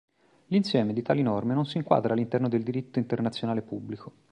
L'insieme di tali norme non si inquadra all'interno del diritto internazionale pubblico.